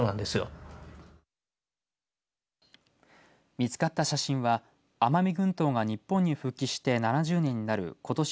見つかった写真は奄美群島が日本に復帰して７０年になることし